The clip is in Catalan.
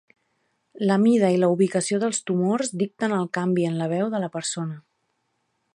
La mida i la ubicació dels tumors dicten el canvi en la veu de la persona.